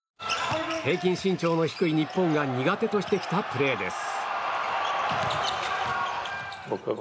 平均身長の低い日本が苦手としてきたプレーです。